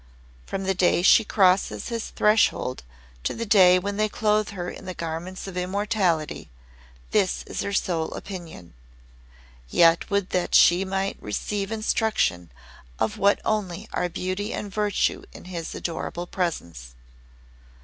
From the day she crosses his threshold, to the day when they clothe her in the garments of Immortality, this is her sole opinion. Yet would that she might receive instruction of what only are beauty and virtue in his adorable presence."